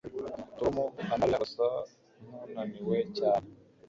Tom na Mariya basa nkunaniwe cyane